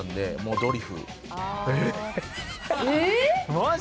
ドリフ。